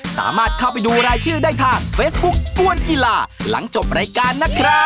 สามารถเข้าไปดูรายชื่อได้ทางเฟซบุ๊คกวนกีฬาหลังจบรายการนะครับ